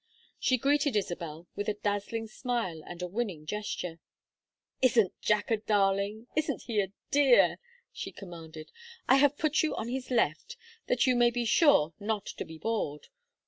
She greeted Isabel with a dazzling smile and a winning gesture. "Isn't Jack a darling? Isn't he a dear?" she commanded. "I have put you on his left, that you may be sure not to be bored.